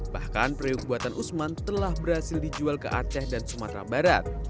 bahkan periuk buatan usman telah berhasil dijual ke aceh dan sumatera barat